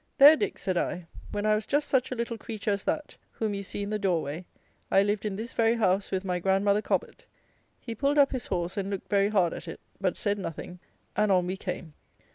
"There, Dick," said I, "when I was just such a little creature as that, whom you see in the door way, I lived in this very house with my grand mother Cobbett." He pulled up his horse, and looked very hard at it, but said nothing, and on we came.